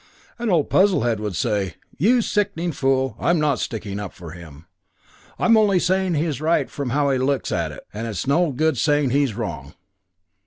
And old Puzzlehead would say, 'You sickening fool, I'm not sticking up for him. I'm only saying he's right from how he looks at it and it's no good saying he's wrong.'...